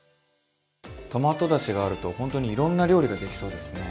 トマトだしがあるとほんとにいろんな料理ができそうですね。